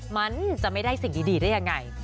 มันจะไม่ได้สิ่งดีได้ยังไง